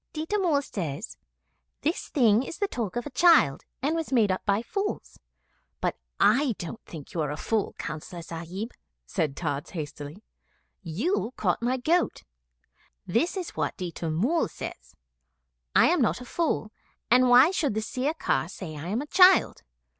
'Ditta Mull says, "This thing is the talk of a child, and was made up by fools." But I don't think you are a fool, Councillor Sahib,' said Tods hastily. 'You caught my goat. This is what Ditta Mull says 'I am not a fool, and why should the Sirkar say I am a child?